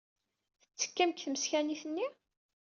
Tettekkam deg tmeskanin-nni?